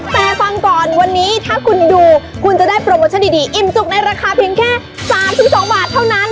แต่ฟังก่อนวันนี้ถ้าคุณดูคุณจะได้โปรโมชั่นดีอิ่มจุกในราคาเพียงแค่๓๒บาทเท่านั้น